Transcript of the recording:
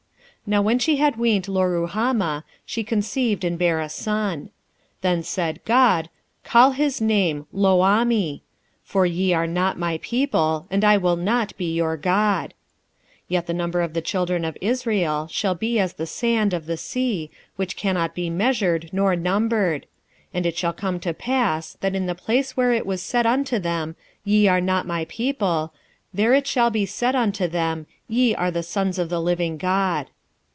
1:8 Now when she had weaned Loruhamah, she conceived, and bare a son. 1:9 Then said God, Call his name Loammi: for ye are not my people, and I will not be your God. 1:10 Yet the number of the children of Israel shall be as the sand of the sea, which cannot be measured nor numbered; and it shall come to pass, that in the place where it was said unto them, Ye are not my people, there it shall be said unto them, Ye are the sons of the living God.